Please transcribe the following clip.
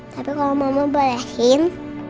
tapi kalau mama bolehin